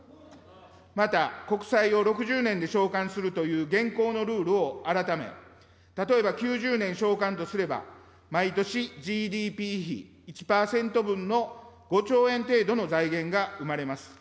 また、国債を６０年で償還するという現行のルールを改め、例えば９０年償還とすれば、毎年ＧＤＰ比１％分の５兆円程度の財源が生まれます。